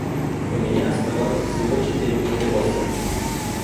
У меня оставалось всего четыре папиросы.